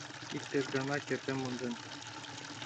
иктаж гана кертым монден